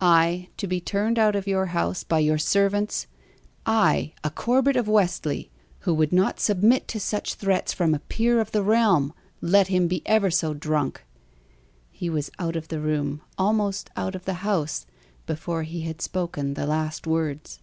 I, to be turned out of your house by your servants! I, a Corbet of Westley, who would not submit to such threats from a peer of the realm, let him be ever so drunk!" He was out of the room, almost out of the house, before he had spoken the last words.